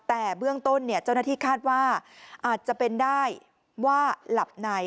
แต่เบื้องต้นเจ้าหน้าที่คาดว่าอาจจะเป็นได้ว่าหลับใน